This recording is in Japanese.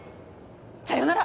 さよなら。